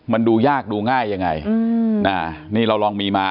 มันดูยากดูง่ายยังไงอืมอ่านี่เราลองมีมา